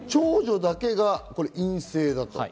長女だけが陰性。